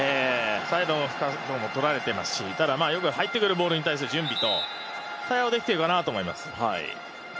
サイドも深さが取られていますしただ、入ってくるボールに対する準備と対応できてるかなと思います。